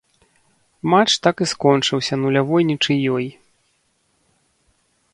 Матч так і скончыўся нулявой нічыёй.